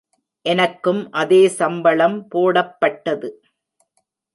எனக்கும் அதே சம்பளம் போடப்பட்டது.